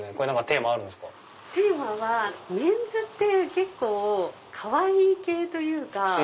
テーマはメンズって結構かわいい系というか。